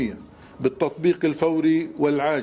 dengan penyelesaian segera dan cepat